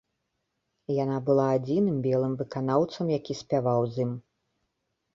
Яна была адзіным белым выканаўцам, які спяваў з ім.